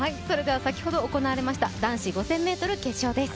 先ほど行われました男子５０００ｍ決勝です。